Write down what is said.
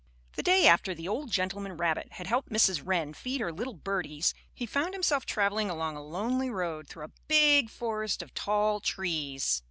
The day after the old gentleman rabbit had helped Mrs. Wren feed her little birdies he found himself traveling along a lonely road through a big forest of tall trees.